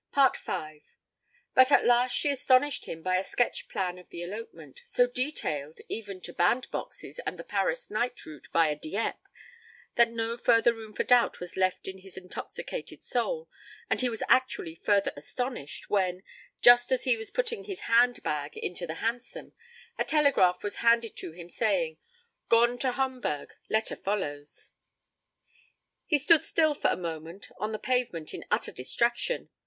V But at last she astonished him by a sketch plan of the elopement, so detailed, even to band boxes and the Paris night route via Dieppe, that no further room for doubt was left in his intoxicated soul, and he was actually further astonished when, just as he was putting his hand bag into the hansom, a telegram was handed to him saying: 'Gone to Homburg. Letter follows.' He stood still for a moment on the pavement in utter distraction.